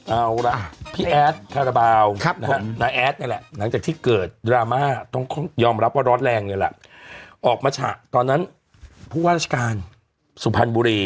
เอาล่ะพี่แอดคาราบาลน้าแอดนี่แหละหลังจากที่เกิดดราม่าต้องยอมรับว่าร้อนแรงนี่แหละออกมาฉะตอนนั้นผู้ว่าราชการสุพรรณบุรี